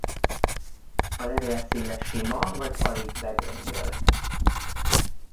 A levél széle sima vagy alig begöngyölt.